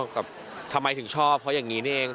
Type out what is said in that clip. กับทำไมถึงชอบเพราะอย่างนี้นี่เอง